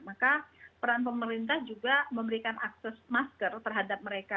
maka peran pemerintah juga memberikan akses masker terhadap mereka